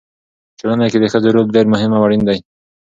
په ټولنه کې د ښځو رول ډېر مهم او اړین دی.